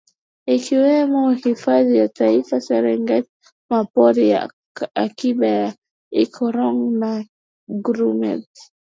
ikiwemo Hifadhi ya Taifa Serengeti Mapori ya Akiba ya Ikorongo na Grumeti